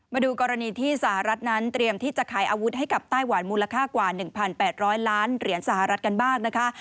มาดูกรณีที่สหรัฐนั้นเตรียมที่จะขายอาวุธให้กับไต้หวันมูลค่ากว่า๑๘๐๐ล้านเหรียญสหรัฐกันบ้างนะคะ